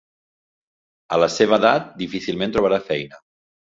A la seva edat, difícilment trobarà feina.